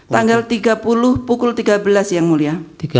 tanggal tiga puluh pukul tiga belas yang mulia